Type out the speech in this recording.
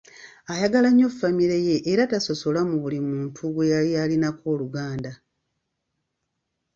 Ayagala nnyo famire ye era tasosola mu buli muntu gwe yali alinako oluganda.